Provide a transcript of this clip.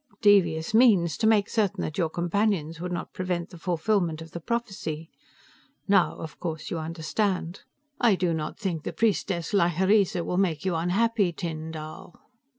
devious means to make certain that your companions would not prevent the fulfillment of the prophesy. Now, of course, you understand. "I do not think the priestess Lhyreesa will make you unhappy, Tyn Dall."